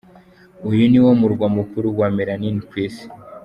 Uyu ni wo murwa mukuru wa ’Melanin’ ku isi.